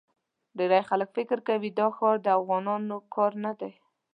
ډېری خلک فکر کوي دا ښار د انسانانو کار نه دی.